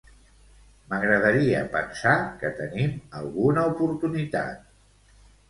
M'agradaria pensar que tenim alguna oportunitat.